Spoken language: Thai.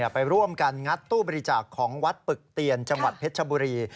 ไปร่วมกันงัดตู้บริจาคของวัดปึกเตียนจังหวัดเพชรชบุรี